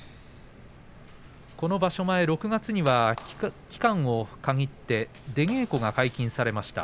この場所前、６月には期間を限って出稽古が解禁されました。